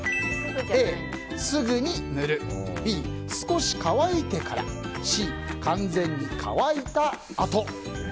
Ａ、すぐに塗るＢ、少し乾いてからＣ、完全に乾いたあと。